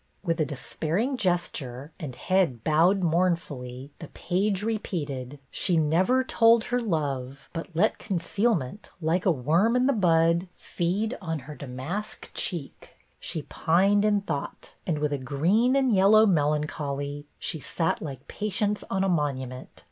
With a despairing gesture and head bowed mourn fully, the page repeated "' She never told her love, But let concealment, like a worm i' the bud, Feed on her damask cheek : she pined in thought. And with a green and yellow melancholy She sat like patience on a monument.